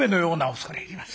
「恐れ入ります。